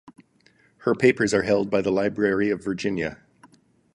Her papers are held by the Library of Virginia.